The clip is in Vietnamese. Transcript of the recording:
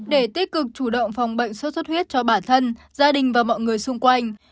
để tích cực chủ động phòng bệnh suất huyết cho bản thân gia đình và mọi người xung quanh